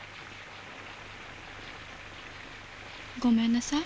ごめんなさい。